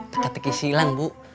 teka teki silang bu